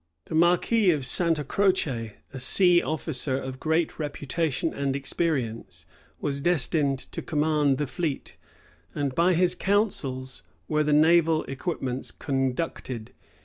The marquis of Santa Croce, a sea officer of great reputation and experience, was destined to command the fleet; and by his counsels were the naval equipments conducted.